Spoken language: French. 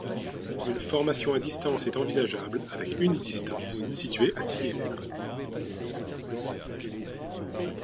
Une formation à distance est envisageable avec UniDistance située à Sierre.